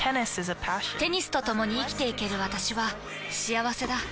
テニスとともに生きていける私は幸せだ。